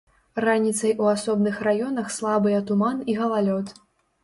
Раніцай у асобных раёнах слабыя туман і галалёд.